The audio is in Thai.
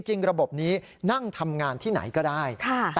จริงระบบนี้นั่งทำงานที่ไหนก็ได้